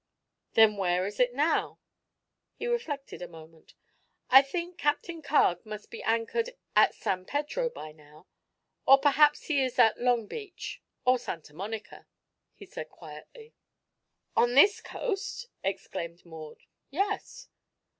"Then where is it now?" He reflected a moment. "I think Captain Carg must be anchored at San Pedro, by now. Or perhaps he is at Long Beach, or Santa Monica," he said quietly. "On this coast!" exclaimed Maud. "Yes."